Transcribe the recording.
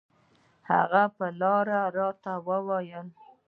هغه پر لاره راته وويل.